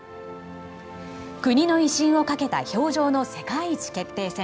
国の威信をかけた氷上の世界一決定戦。